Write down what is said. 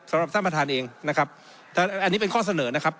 สำหรับท่านประธานเองนะครับอันนี้เป็นข้อเสนอนะครับ